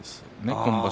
今場所。